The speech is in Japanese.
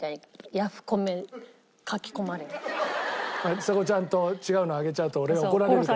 ちさ子ちゃんと違うの挙げちゃうと俺が怒られるから。